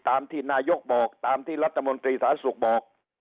ตามที่นายกบอกตามที่รัฐมนตรีสาธารณสุขบอก